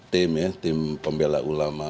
tim ya tim pembela ulama